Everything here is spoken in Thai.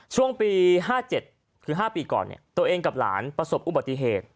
ช่วงปี๕๗คือ๕ปีก่อนตัวเองกับหลานประสบอุบัติเหตุ